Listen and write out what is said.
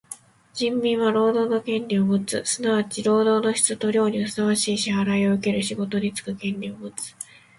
人民は労働の権利をもつ。すなわち労働の質と量にふさわしい支払をうける仕事につく権利をもつ。